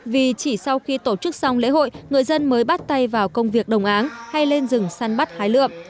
vì chỉ sau khi tổ chức xong lễ hội người dân mới bắt tay vào công việc đồng áng hay lên rừng săn bắt hái lượm